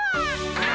あ。